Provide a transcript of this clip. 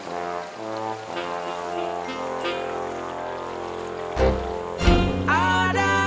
masih bisa makan aja alhamdulillah